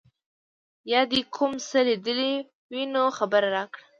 یا دي کوم څه لیدلي وي نو خبر راکړه.